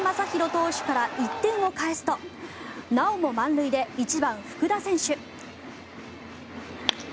投手から１点を返すとなおも満塁で１番、福田選手。